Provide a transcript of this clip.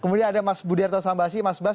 kemudian ada mas budiarto sambasi mas bas